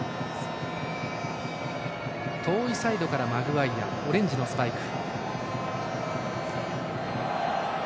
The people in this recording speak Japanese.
遠いサイドからマグワイアオレンジのスパイク。